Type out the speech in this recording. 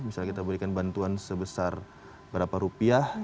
misalnya kita berikan bantuan sebesar berapa rupiah